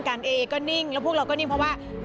เอก็นิ่งแล้วพวกเราก็นิ่งเพราะว่า